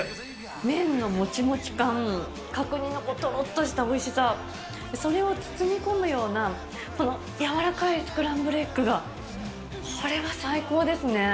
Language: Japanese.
麺のもちもち感、角煮のとろっとしたおいしさ、それを包み込むようなこの柔らかいスクランブルエッグが、これは最高ですね。